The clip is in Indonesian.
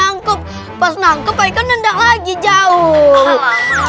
aduh aduh aduh